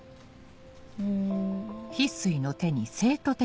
うん。